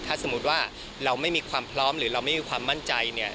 ถ้าสมมุติว่าเราไม่มีความพร้อมหรือเราไม่มีความมั่นใจเนี่ย